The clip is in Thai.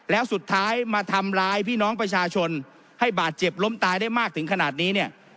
แล้วสุดท้ายมาทำร้ายพี่น้องประชาชนให้บาดเจ็บล้มตายได้มากถึงขนาดนี้เนี่ย